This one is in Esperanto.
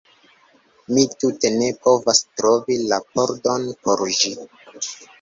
Mi tute ne povas trovi la pordon por ĝi